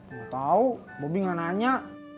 gak tau bobi gak nanya